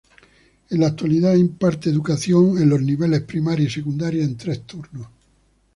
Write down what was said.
En la actualidad imparte educación en los niveles primaria y secundaria en tres turnos.